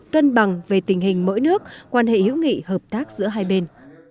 cân bằng về tình hình mỗi nước quan hệ hữu nghị hợp tác giữa hai bên